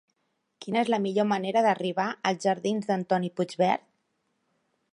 Quina és la millor manera d'arribar als jardins d'Antoni Puigvert?